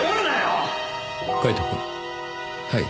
はい。